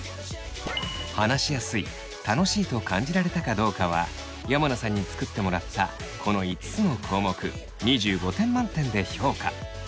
話しやすい楽しいと感じられたかどうかは山名さんに作ってもらったこの５つの項目２５点満点で評価。